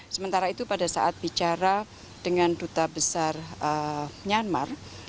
sementara itu pada saat bicara dengan duta besar myanmar